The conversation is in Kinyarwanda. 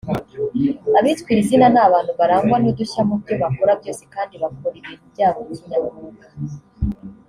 Abitwa iri zina ni abantu barangwa n’udushya mu byo bakora byose kandi bakora ibintu byabo kinyamwuga